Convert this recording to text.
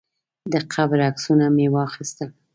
د قبر عکسونه مې واخیستل.